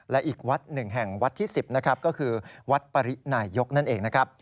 และอีกวัดหนึ่งแห่งวัดที่๑๐นะครับก็คือวัดปรินายกนั่นเองนะครับ